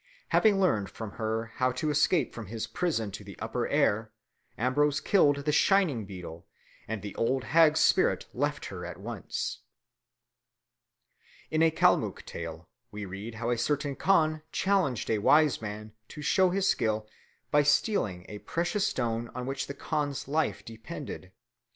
Having learned from her how to escape from his prison to the upper air, Ambrose killed the shining beetle, and the old hag's spirit left her at once. In a Kalmuck tale we read how a certain khan challenged a wise man to show his skill by stealing a precious stone on which the khan's life depended.